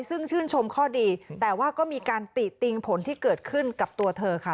ซึ่งชื่นชมข้อดีแต่ว่าก็มีการติติงผลที่เกิดขึ้นกับตัวเธอค่ะ